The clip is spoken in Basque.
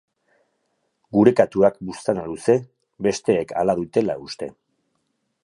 Gure katuak buztana luze, besteek hala dutela uste.